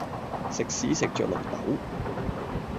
食屎食著綠豆